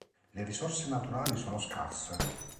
Le risorse naturali sono scarse.